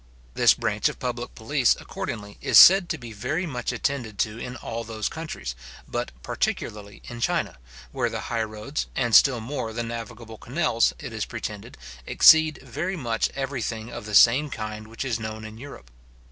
This branch of public police, accordingly, is said to be very much attended to in all those countries, but particularly in China, where the high roads, and still more the navigable canals, it is pretended, exceed very much every thing of the same kind which is known in Europe.